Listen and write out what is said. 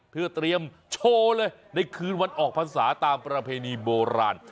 เพื่อเตรียมโชว์เลยในคืนวันออกพรรษาตามประเพณีโบราณ